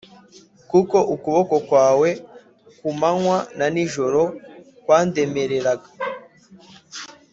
Kuko ukuboko kwawe ku manywa na n'ijoro kwandemereraga,